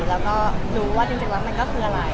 แล้วก็รู้ว่าจริงแล้วมันก็คืออะไร